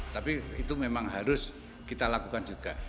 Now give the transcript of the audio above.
tapi itu memang harus kita lakukan juga